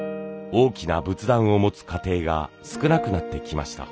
大きな仏壇を持つ家庭が少なくなってきました。